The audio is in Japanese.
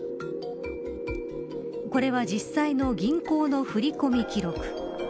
これは実際の銀行の振り込み記録。